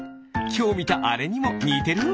きょうみたあれにもにてる。